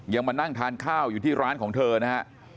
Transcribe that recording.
มานั่งทานข้าวอยู่ที่ร้านของเธอนะฮะ